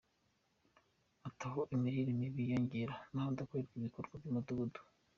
Ati “Aho imirire mibi yiyongera ni ahadakorerwa igikoni cy’umudugudu.